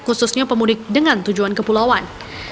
khususnya pemudik dengan tujuan kepulauan